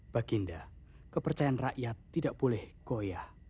baginda kepercayaan rakyat tidak boleh goyah